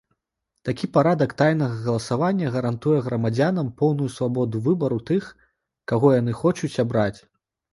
Такі парадак тайнага галасавання гарантуе грамадзянам поўную свабоду выбару тых, каго яны хочуць абраць.